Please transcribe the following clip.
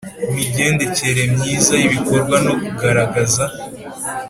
Migendekere myiza y ibikorwa no kugaragaza